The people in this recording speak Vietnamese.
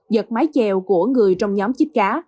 giật mái chèo của người trong nhóm chích cá